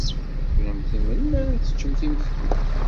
Kennemti melmi ara teččemt imekli?